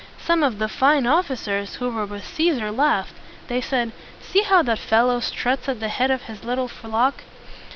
Some of the fine of fi cers who were with Cæsar laughed. They said, "See how that fellow struts at the head of his little flock!"